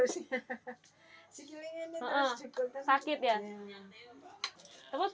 si kiling ini terus terbangker